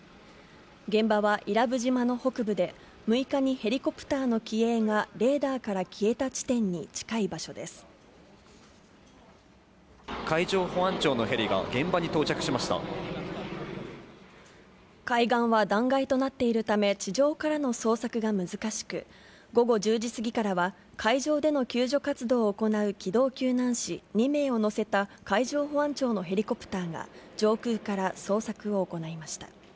現場は伊良部島の北部で、６日にヘリコプターの機影がレーダーから消えた地点に近い場所で海上保安庁のヘリが現場に到海岸は断崖となっているため、地上からの捜索が難しく、午後１０時過ぎからは、海上での救助活動を行う機動救難士２名を乗せた海上保安庁のヘリコプターが、上空から捜索を行いました。